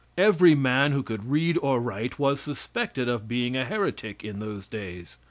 Every man who could read or write was suspected of being a heretic in those days.